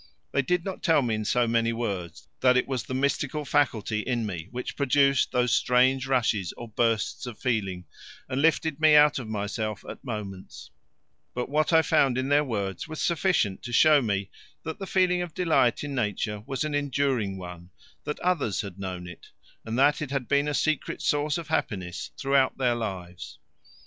They did not tell me in so many words that it was the mystical faculty in me which produced those strange rushes or bursts of feeling and lifted me out of myself at moments; but what I found in their words was sufficient to show me that the feeling of delight in Nature was an enduring one, that others had known it, and that it had been a secret source of happiness throughout their lives.